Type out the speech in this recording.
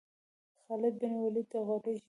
خالد بن ولید د قریش دی.